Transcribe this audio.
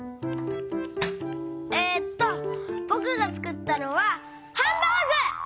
えっとぼくがつくったのはハンバーグ！